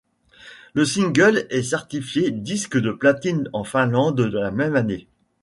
Le single est certifié disque de platine en Finlande la même année.